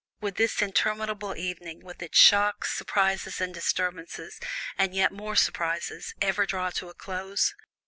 Would this interminable evening, with its shocks, surprises and disturbances, and yet more surprises, ever draw to a close?